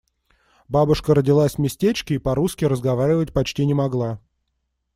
Бабушка родилась в местечке и по-русски разговаривать почти не могла.